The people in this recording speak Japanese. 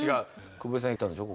久保井さん行ったんでしょ？